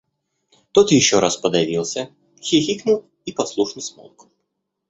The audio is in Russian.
Тот еще раз подавился, хихикнул и послушно смолк.